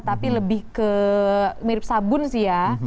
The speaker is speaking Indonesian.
tapi lebih ke mirip sabun sih ya